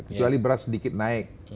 kecuali beras sedikit naik